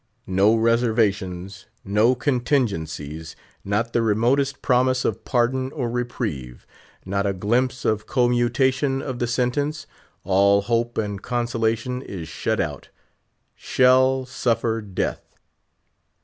_ No reservations, no contingencies; not the remotest promise of pardon or reprieve; not a glimpse of commutation of the sentence; all hope and consolation is shut out—_shall suffer death!